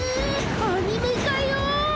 アニメ化よ！